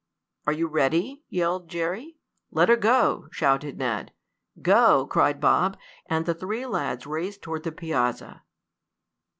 "Are you ready?" yelled Jerry. "Let her go!" shouted Ned. "Go!" cried Bob, and the three lads raced toward the piazza.